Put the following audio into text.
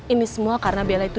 ini semua karena bela itu